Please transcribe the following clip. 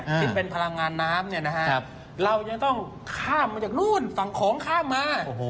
ที่เป็นพลังงานน้ำเรายังต้องข้ามมาจากนู้นฝั่งของข้ามมา